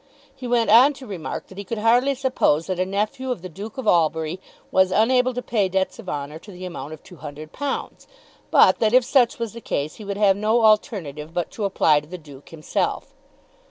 He went on to remark that he could hardly suppose that a nephew of the Duke of Albury was unable to pay debts of honour to the amount of £200; but that if such was the case he would have no alternative but to apply to the Duke himself.